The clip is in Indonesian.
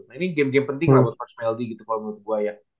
nah ini game game penting lah buat march meldi gitu kalau menurut gue ya